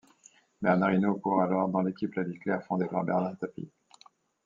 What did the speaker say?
Bernard Hinault court alors dans l'équipe La Vie claire fondée par Bernard Tapie.